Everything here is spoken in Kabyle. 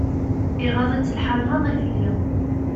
Iɣaḍ-itt lḥal maḍi fell-i.